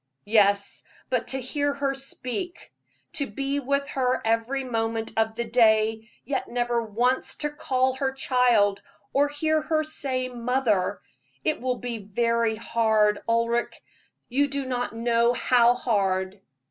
"Yes; but to hear her speak, to be with her every moment of the day, yet never once to call her child, or hear her say 'mother' it will be very hard, Ulric you do not know how hard."